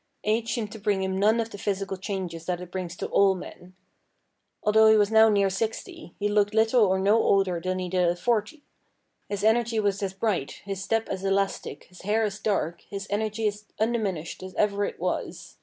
Age seemed to bring him none of those physical changes that it brings to all men. Although he was now near sixty, he looked little or no older than he did at forty. His eye was as bright, his step as elastic, his hair as dark, his energy as undiminished as ever it was.